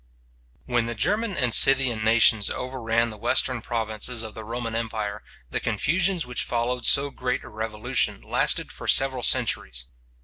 When the German and Scythian nations overran the western provinces of the Roman empire, the confusions which followed so great a revolution lasted for several centuries.